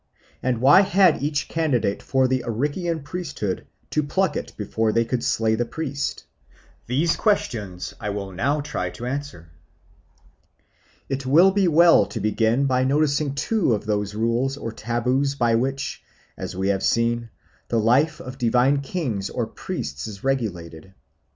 and why had each candidate for the Arician priesthood to pluck it before he could slay the priest? These questions I will now try to answer. It will be well to begin by noticing two of those rules or taboos by which, as we have seen, the life of divine kings or priests is regulated.